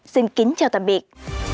xin kính chào tạm biệt